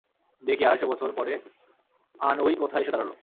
দেখি, আড়াইশো বছর পরে আনউই কোথায় এসে দাঁড়ালো।